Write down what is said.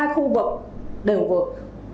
ba khu vực đều vượt